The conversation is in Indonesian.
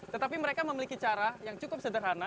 tetapi mereka memiliki cara yang cukup sederhana